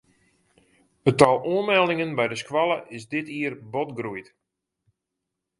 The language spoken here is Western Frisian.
It tal oanmeldingen by de skoalle is dit jier bot groeid.